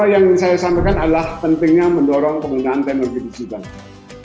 yang saya sampaikan adalah pentingnya mendorong penggunaan teknologi digital